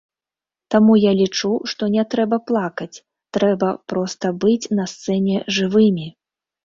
Таму я лічу, што не трэба плакаць, трэба проста быць на сцэне жывымі.